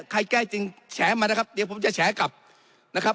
แก้จริงแฉมานะครับเดี๋ยวผมจะแฉกลับนะครับ